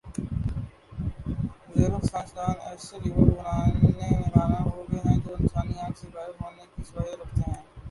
Zurich science دان ایسے robot بنانے میں کامیاب ہوگئے ہیں جو انسانی آنکھ سے غائب ہونے کی صلاحیت رکھتے ہیں